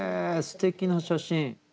すてきな写真。